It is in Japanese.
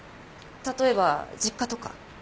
例えば実家とか。